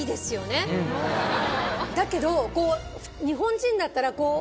だけど日本人だったら。